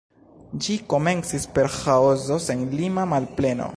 Ĝi komencis per Ĥaoso, senlima malpleno.